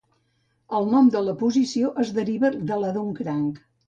El nom de la posició es deriva de la d'un cranc.